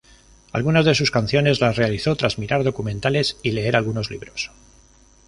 Algunas de sus canciones las realizó tras mirar documentales y leer algunos libros.